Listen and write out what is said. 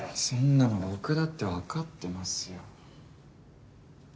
そんなの僕だって分かってますよ